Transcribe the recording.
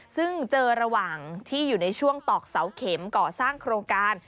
ซึ่งเจอระหว่างที่อยู่ในช่วงตอกเสาเข็มก่อสร้างโครงการ